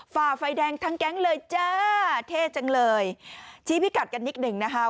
ฝ่าไฟแดงทั้งแก๊งเลยจ้าเท่จังเลยชี้พิกัดกันนิดหนึ่งนะคะ